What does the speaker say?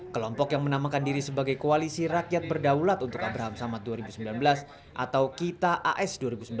kelompok yang menamakan diri sebagai koalisi rakyat berdaulat untuk abraham samad dua ribu sembilan belas atau kita as dua ribu sembilan belas